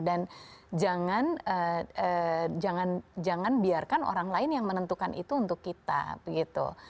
dan jangan biarkan orang lain yang menentukan itu untuk kita begitu